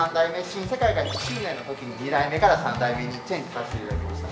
新世界が１００周年の時に２代目から３代目にチェンジさせていただきました。